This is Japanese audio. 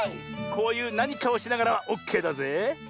こういうなにかをしながらはオッケーだぜえ。